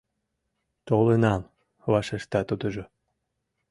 «Толынам», — вашешта тудыжо.